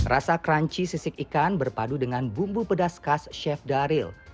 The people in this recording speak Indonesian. rasa crunchy sisik ikan berpadu dengan bumbu pedas khas chef daryl